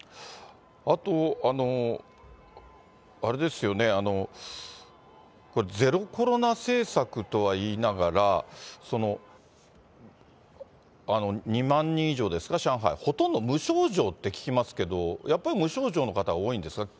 あと、あれですよね、ゼロコロナ政策とはいいながら、２万人以上ですか、上海、ほとんど無症状って聞きますけど、やっぱり無症状の方、多いんですか？